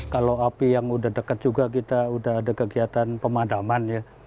kalau api yang udah dekat juga kita udah ada kegiatan pemadaman ya